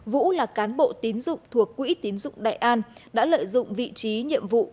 vũ là cán bộ tín dụng thuộc quỹ tín dụng đại an đã lợi dụng vị trí nhiệm vụ